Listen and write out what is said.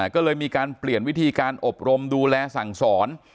ก็เลยมีการเปลี่ยนวิธีการอบรมดูแลสั่งสอน